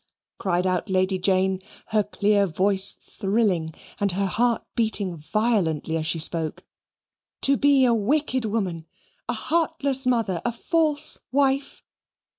cried out Lady Jane, her clear voice thrilling and, her heart beating violently as she spoke. "To be a wicked woman a heartless mother, a false wife?